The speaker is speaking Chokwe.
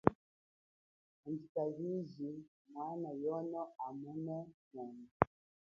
Handjika liji mwana yono amone mwono.